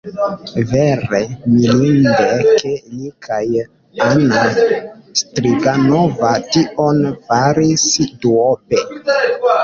Vere mirinde, ke li kaj Anna Striganova tion faris duope.